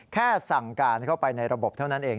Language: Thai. แค่สั่งการเข้าไปในระบบเท่านั้นเอง